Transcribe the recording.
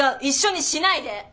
一緒にしないで！